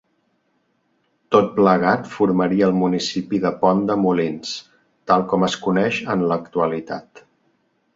Tot plegat formaria el municipi de Pont de Molins tal com es coneix en l'actualitat.